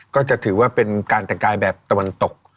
ก็จะถือว่าเป็นการแต่งกายแบบตะวันตก